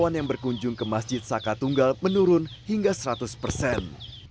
yang berkunjung ke masjid saka tunggal menurun hingga seratus persen